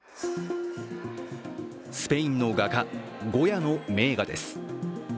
スペインの画家・ゴヤの名画です。